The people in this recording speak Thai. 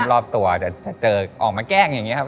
รอบตัวจะเจอออกมาแกล้งอย่างนี้ครับ